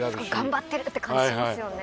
頑張ってるって感じしますよね。